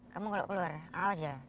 kamu kalau keluar awas ya